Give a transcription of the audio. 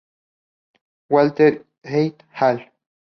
Walker et al.